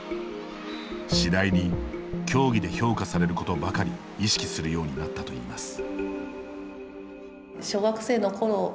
次第に競技で評価されることばかり意識するようになったといいます。